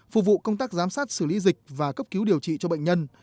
phục vụ công tác giám sát xử lý dịch và cấp cứu điều trị cho bệnh nhân